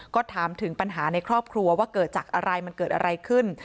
ก็ถามถึงปัญหาในครอบครัวว่าเกิดจากอะไรมันเกิดอะไรขึ้น